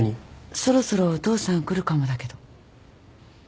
そろそろお父さん来るかもだけど。